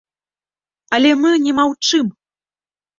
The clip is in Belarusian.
Але мы не маўчым.